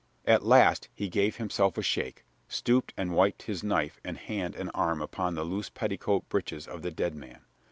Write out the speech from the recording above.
At last he gave himself a shake, stooped and wiped his knife and hand and arm upon the loose petticoat breeches of the dead man.